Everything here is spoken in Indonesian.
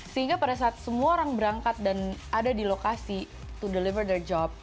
sehingga pada saat semua orang berangkat dan ada di lokasi to deliver their job